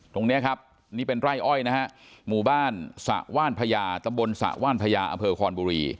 ตรงนี้ครับนี่เป็นไร่อ้อยนะฮะหมู่บ้านสระว่านพญาตำบลสระว่านพญาอำเภอคอนบุรี